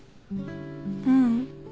ううん。